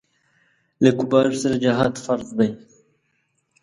له کفارو سره جهاد فرض دی.